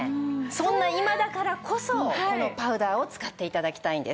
そんな今だからこそこのパウダーを使って頂きたいんです。